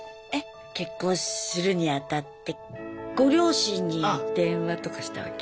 結婚するにあたってご両親に電話とかしたわけ？